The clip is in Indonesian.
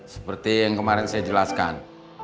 seperti yang kemarin saya jelaskan